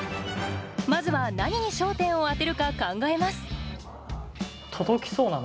まずは何に焦点を当てるか考えます